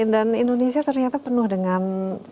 dan indonesia ternyata penuh dengan